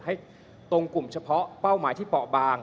ให้ตรงกลุ่มเฉพาะเป้าหมายที่เปาะบาง